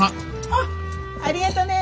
あっありがとね。